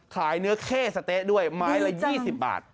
เนื้อเข้สะเต๊ะด้วยไม้ละ๒๐บาท